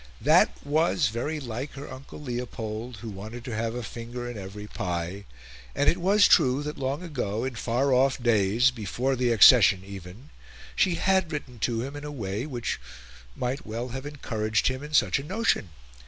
That was very like her uncle Leopold, who wanted to have a finger in every pie; and it was true that long ago, in far off days, before her accession even, she had written to him in a way which might well have encouraged him in such a notion.